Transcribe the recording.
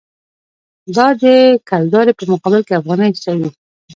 دا د کلدارې په مقابل کې افغانۍ ټیټوي.